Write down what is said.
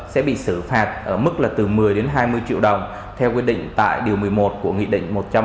sẽ bị xử phạt ở mức từ một mươi hai mươi triệu đồng theo quy định tại điều một mươi một của nghị định một trăm bốn mươi bốn